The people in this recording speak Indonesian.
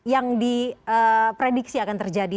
yang di prediksi akan terjadi